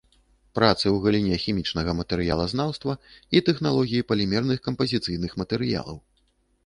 Працы ў галіне хімічнага матэрыялазнаўства і тэхналогіі палімерных кампазіцыйных матэрыялаў.